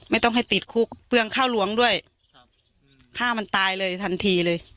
ไม่ต้องให้ติดคุกเปลืองข้าวหลวงด้วยครับฆ่ามันตายเลยทันทีเลย